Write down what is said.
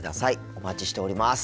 お待ちしております。